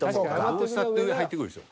どうしたって上入ってくるでしょ。